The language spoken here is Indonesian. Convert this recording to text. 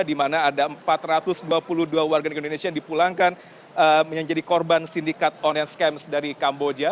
di mana ada empat ratus dua puluh dua warga negara indonesia yang dipulangkan menjadi korban sindikat online scams dari kamboja